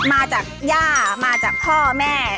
มาจากย่ามาจากพ่อแม่